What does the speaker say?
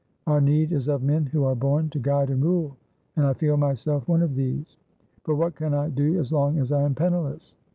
Our need is of men who are born to guide and rule, and I feel myself one of these. But what can I do as long as I am penniless?